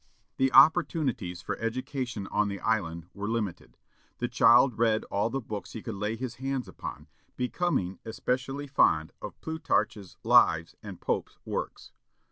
The opportunities for education on the island were limited. The child read all the books he could lay his hands upon, becoming especially fond of Plutarch's Lives and Pope's works.